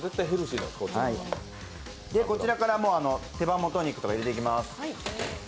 こちらから、手羽元肉とか入れていきます。